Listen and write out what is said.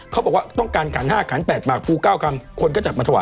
เขาบอกว่าต้องการขัน๕ขัน๘ปากภู๙กรัมคนก็จับมาถวาย